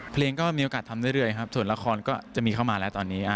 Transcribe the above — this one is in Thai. เพลงก็มีโอกาสทำเรื่อยครับส่วนละครก็จะมีเข้ามาแล้วตอนนี้